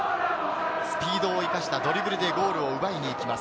スピードを生かしたドリブルでゴールを奪いにいきます。